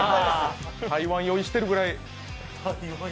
台湾酔いしてくるぐらい。